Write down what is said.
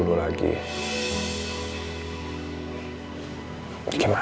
sekarang kan adik gua koma